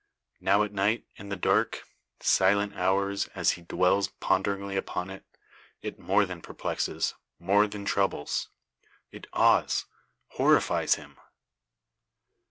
Now, at night, in the dark, silent hours, as he dwells ponderingly upon it, it more than perplexes, more than troubles it awes, horrifies him.